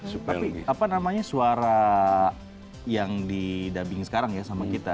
tapi apa namanya suara yang di dubbing sekarang ya sama kita